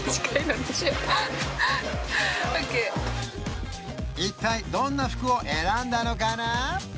オーケー一体どんな服を選んだのかな？